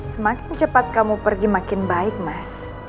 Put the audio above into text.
semakin cepat kamu pergi makin baik mas